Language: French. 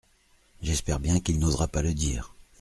J’espère bien qu’il n’osera pas le dire.